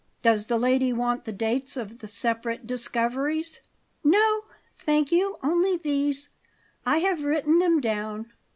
Does the lady want the dates of the separate discoveries?" "No, thank you; only these. I have written them down.